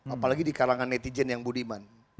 apalagi di kalangan netizen yang budiman